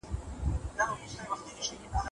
دا کیسه په ټولنیزو رسنیو کې د ډېر پند لپاره خپره شوې.